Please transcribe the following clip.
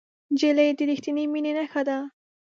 نجلۍ د رښتینې مینې نښه ده.